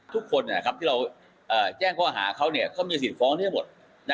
ทุกคนที่เราแจ้งข้อหาเขาเขามีสิทธิฟ้องได้หมด